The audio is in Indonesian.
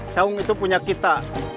saung itu punya kita